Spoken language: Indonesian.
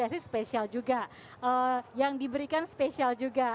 pasti spesial juga yang diberikan spesial juga